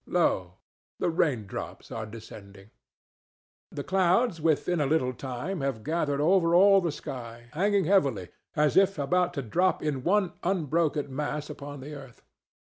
Lo! the raindrops are descending. The clouds within a little time have gathered over all the sky, hanging heavily, as if about to drop in one unbroken mass upon the earth.